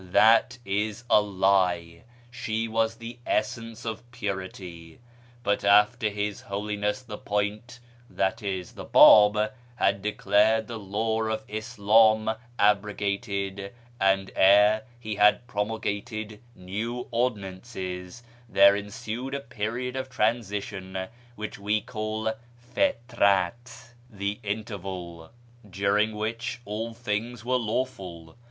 That is a lie — she was the Essence of Purity ; but after His Holiness the Point \i.c. the Bab] had declared the Law of Islam abrogated, and ere he had promulgated new ordinances, there ensued a period of transition which we call ' Fitrat' ('the Interval '), during which all things were lawful.